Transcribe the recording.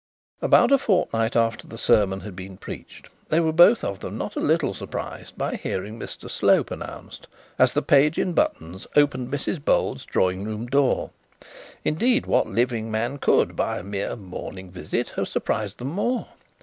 About a fortnight after the sermon had been preached, they were both of them not a little surprised by hearing Mr Slope announced, as the page in buttons opened Mrs Bold's drawing room door. Indeed, what living man could, by a mere morning visit, have surprised them more?